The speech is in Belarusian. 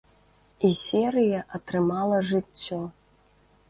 І серыя атрымала жыццё.